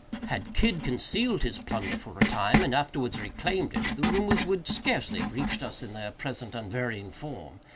Had Kidd concealed his plunder for a time, and afterwards reclaimed it, the rumors would scarcely have reached us in their present unvarying form.